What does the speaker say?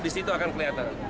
di situ akan kelihatan